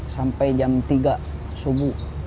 sampai jam tiga subuh